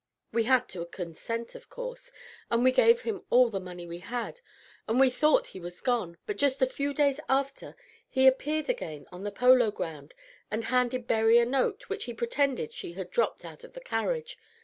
We had to consent, of course, and we gave him all the money we had, and we thought he was gone; but just a few days after he appeared again on the Polo Ground, and handed Berry a note, which he pretended she had dropped out of the carriage.